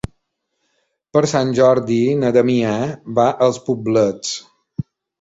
Per Sant Jordi na Damià va als Poblets.